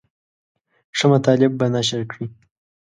ښه مطالب به نشر کړي.